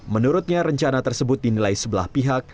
menurutnya rencana tersebut dinilai sebelah pihak